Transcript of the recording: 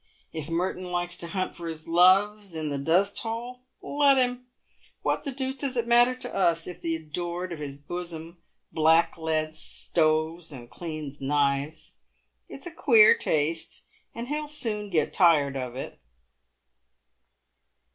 If Merton likes to hunt for his loves in the dusthole, let him. What the deuce does it matter to us if the adored of his bosom blackleads stoves and cleans knives ? It's a queer taste, and he'll soon get tired of it."